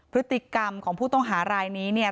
พฤติกรรมของผู้ต้องหารายนี้เนี่ย